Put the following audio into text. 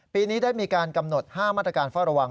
ปีนี้ได้มีการกำหนด๕มาตรการเฝ้าระวัง